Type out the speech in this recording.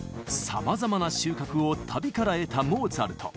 さまざまな収穫を旅から得たモーツァルト。